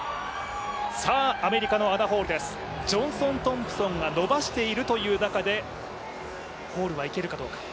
アメリカのアナ・ホールです、ジョンソン・トンプソンが伸ばしているという中でホールはいけるかどうか。